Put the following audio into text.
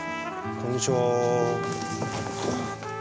こんにちは。